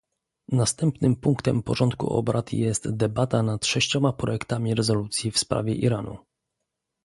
Następnym punktem porządku obrad jest debata nad sześcioma projektami rezolucji w sprawie Iranu